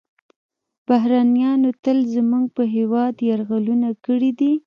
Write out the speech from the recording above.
بهرنیانو تل زموږ په هیواد یرغلونه کړي دي